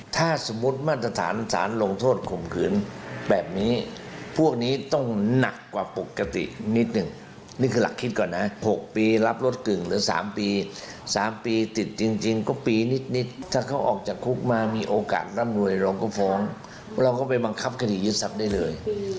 ถ้ามีโอกาสร่ำรวยเราก็ฟ้องเราก็ไปบังคับคดียึดทรัพย์ได้เลย